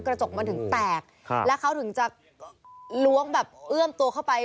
กระจกมันถึงแตกแล้วเขาถึงจะล้วงแบบเอื้อมตัวเข้าไป